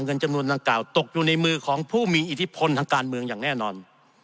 เงินจำนวนดังกล่าวตกอยู่ในมือของผู้มีอิทธิพลทางการเมืองอย่างแน่นอน